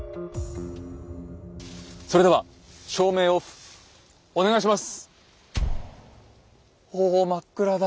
それでは照明オフお願いします。